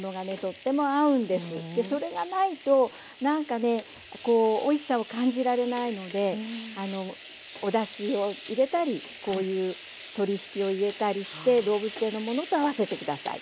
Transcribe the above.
それがないとなんかねこうおいしさを感じられないのでおだしを入れたりこういう鶏ひきを入れたりして動物性のものと合わせて下さい。